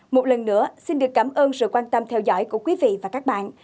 một lần nữa xin được cảm ơn sự quan tâm theo dõi của quý vị và các bạn